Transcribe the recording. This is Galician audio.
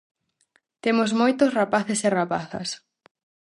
Temos moitos rapaces e rapazas.